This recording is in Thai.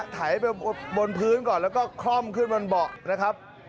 ไถไปบนพื้นก่อนแล้วก็คล่อมขึ้นบนเบาะนะครับ